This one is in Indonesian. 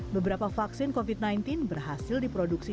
beberapa vaksin covid sembilan belas berhasil diproduksi